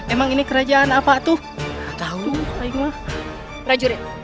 emang ini kerajaan apa tuh tahu